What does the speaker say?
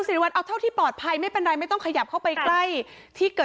สิริวัลเอาเท่าที่ปลอดภัยไม่เป็นไรไม่ต้องขยับเข้าไปใกล้ที่เกิด